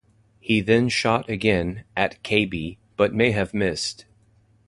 He then shot again, at Cabey, but may have missed.